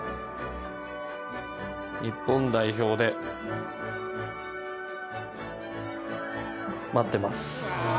「日本代表で待ってます」